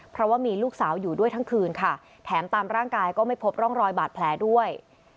เพราะว่ามีลูกสาวอยู่ด้วยทั้งคืนค่ะแถมตามร่างกายก็ไม่พบร่องรอยบาดแผลด้วย